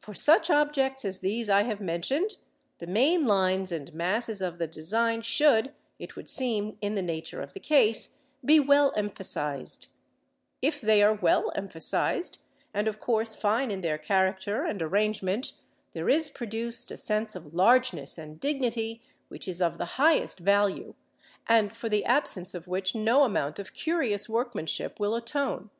For such objects as these I have mentioned, the main lines and masses of the design should, it would seem in the nature of the case, be well emphasised; if they are well emphasised, and of course fine in their character and arrangement, there is produced a sense of largeness and dignity which is of the highest value, and for the absence of which no amount of curious workmanship will atone.